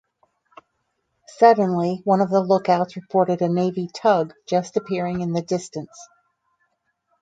Suddenly, one of the lookouts reported a Navy tug just appearing in the distance.